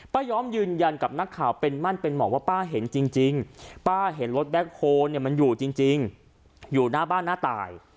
ยอมยืนยันกับนักข่าวเป็นมั่นเป็นหมอว่าป้าเห็นจริงป้าเห็นรถแบ็คโฮลเนี่ยมันอยู่จริงอยู่หน้าบ้านน้าตาย